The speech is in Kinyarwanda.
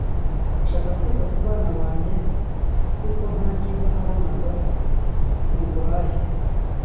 nshaka kwita ku bana banjye kuko nta kiza nabonaga mu buraya